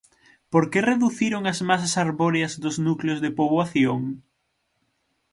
¿Por que reduciron as masas arbóreas dos núcleos de poboación?